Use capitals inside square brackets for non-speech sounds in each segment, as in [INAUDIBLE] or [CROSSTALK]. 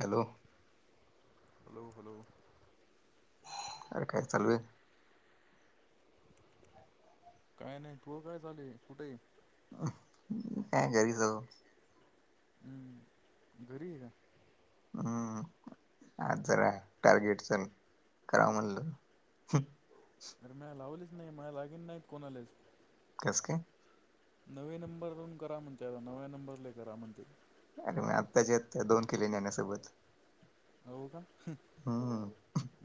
Hello hello hello अरे काय चालू आहे. काय नाय तू वं काय चालू हाय कुठय. अ काय घरी जाऊ अं घरी ये का अं आज जरा टार्गेट चं करा म्हणलं तर मला लावलीच नाय मला लागीन नाय कोणालेच. कसकाय? नवे नंबरून करा म्हणते आता नव्या नंबरला करा म्हणते. अरे मी आताच्या आता डीनं केली ज्ञान्या सोबत. हाव का?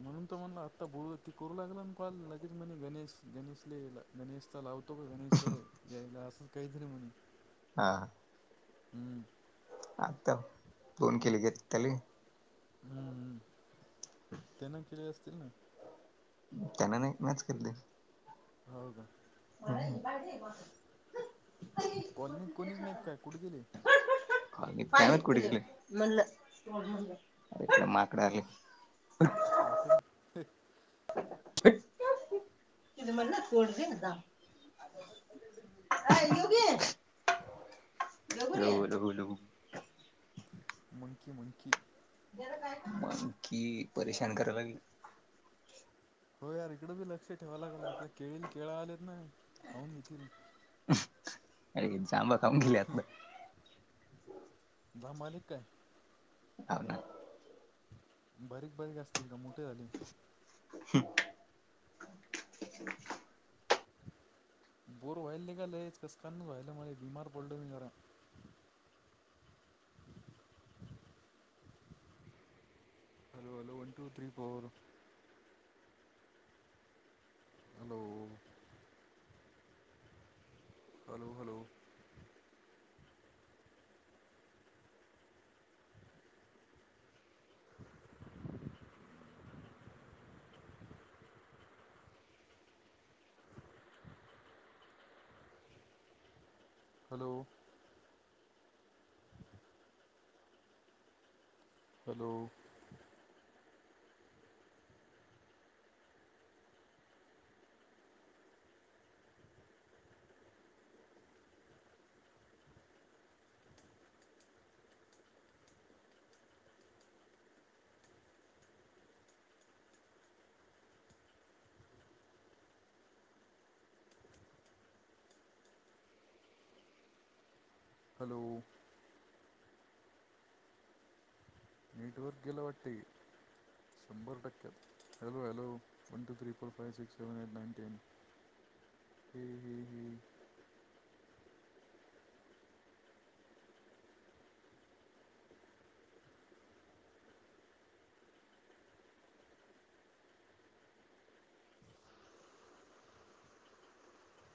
म्हणून त म्हणला आत्ता बोलू ती करू लागला ना कॉल लगेच म्हणे गणेश गणेशले गणेश लाव तो गणेशला यायला असंच काही तरी म्हणे हा. हम्म. आत्ता फोन केले गेत त्याले. हम्म त्यांन केले असतील ना. त्यांन नाय म्याच केलते. हो का. मला ही गाडी ये माणूस हू कॉलनीत कोणीच नाईत काय कुठ गेले? कॉलनीत काय माहिती कुठ गेले अरे काय माकड आली. [UNINTELLIGIBLE] माकड हे हेट लघु लघु लघु मंकी मंकी मंकी परेशान करायला लागलेत. हो यार इकडं बी लक्ष ठेवाय लागल आपल्या केळीला केळ आलेत ना खाऊन घेतील. हाय जांभळं खाऊन गेली आतन. धमाल ये काय? हाव नाय. बारीक बारीक असतील का मोठे झाले. हं [UNINTELLIGIBLE] बोर व्हायले निघालेच कसकाय नु व्हायलं मले बिमार पडलो मी जरा hello hello one two three four hello. Hello hello. [UNINTELLIGIBLE] Hello hello hello network गेलं वाटते शंभर टक्क्यात. Hello hello one two three four five six seven eight nine ten ही ही ही